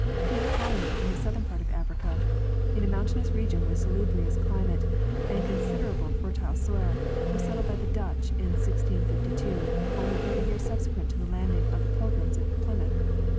Cape Colony, in the southern part of Africa, in a mountainous region with salubrious climate and considerable fertile soil, was settled by the Dutch in 1652, only thirty years subsequent to _. the landing of the Pilgrims at Plymouth.